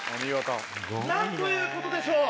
すごいね。何ということでしょう。